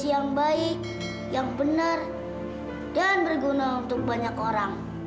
yang baik yang benar dan berguna untuk banyak orang